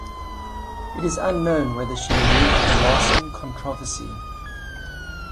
It is unknown whether she knew of the Larsen controversy.